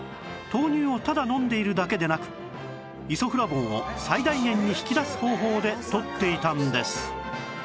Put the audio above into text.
豆乳をただ飲んでいるだけでなくイソフラボンを最大限に引き出す方法でとっていたんです！